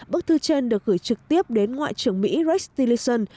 bức thư trên được gửi trực tiếp đến ngoại trưởng mỹ rex tillerson